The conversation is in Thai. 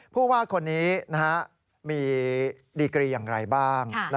ผู้ว่าคนนี้มีดีกรีอย่างไรบ้าง